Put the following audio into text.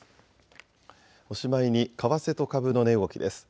おしまいに為替と株の値動きです。